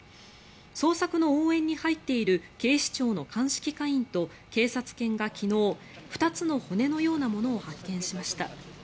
捜索の応援に入っている警視庁の鑑識課員と警察犬が昨日２つの骨のようなものを発見しました。